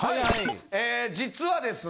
え実はですね。